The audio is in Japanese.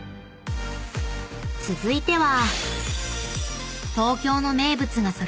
［続いては］